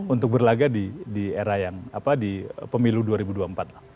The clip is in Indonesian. untuk berlaga di era yang apa di pemilu dua ribu dua puluh empat lah